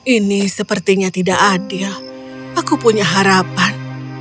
ini sepertinya tidak adil aku punya harapan